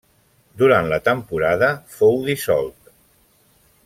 Durant la temporada fou dissolt.